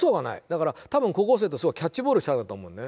だから多分高校生とキャッチボールしたんだと思うね。